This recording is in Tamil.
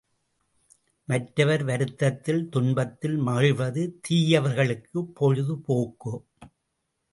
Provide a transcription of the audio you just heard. மற்றவர் வருத்தத்தில் துன்பத்தில் மகிழ்வது தீயவர்களுக்குப் பொழுதுபோக்கு!